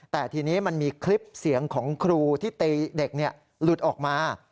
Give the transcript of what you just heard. แต่ทีนี้มันมีคลิปเสียงของครูที่ตีเด็กหลุดออกมา